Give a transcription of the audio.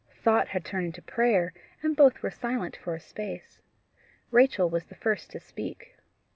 Thought had turned into prayer, and both were silent for a space. Rachel was the first to speak.